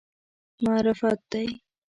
معرفت دی.